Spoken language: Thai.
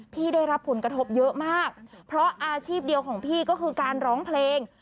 ได้รับผลกระทบเยอะมากเพราะอาชีพเดียวของพี่ก็คือการร้องเพลง